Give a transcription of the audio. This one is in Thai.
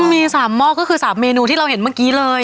มี๓หม้อก็คือ๓เมนูที่เราเห็นเมื่อกี้เลย